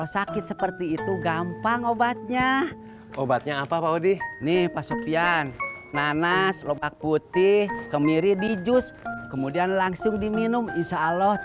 sampai jumpa di video selanjutnya